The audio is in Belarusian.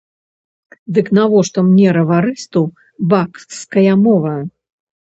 Дык навошта мне, раварысту, баскская мова?